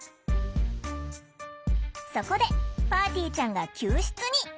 そこでぱーてぃーちゃんが救出に！